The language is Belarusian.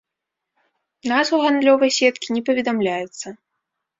Назва гандлёвай сеткі не паведамляецца.